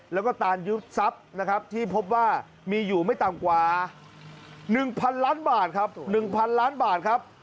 แล้วก็ตามยุทธ์ทรัพย์นะครับที่พบว่ามีอยู่ไม่ต่ำกว่า๑๐๐๐ล้านบาทครับ